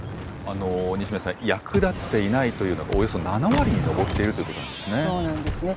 西銘さん、役立っていないというのがおよそ７割に上っているということなんそうなんですね。